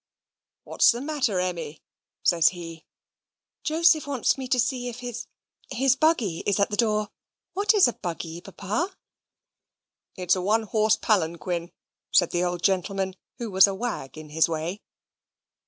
"What's the matter, Emmy?" says he. "Joseph wants me to see if his his buggy is at the door. What is a buggy, Papa?" "It is a one horse palanquin," said the old gentleman, who was a wag in his way.